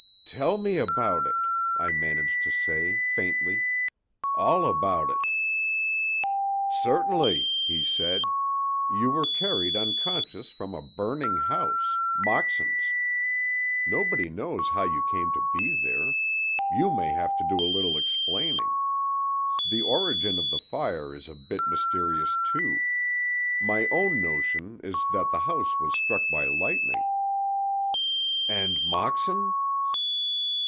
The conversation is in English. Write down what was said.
"Tell me about it," I managed to say, faintly—"all about it." "Certainly," he said; "you were carried unconscious from a burning house—Moxon's. Nobody knows how you came to be there. You may have to do a little explaining. The origin of the fire is a bit mysterious, too. My own notion is that the house was struck by lightning." "And Moxon?"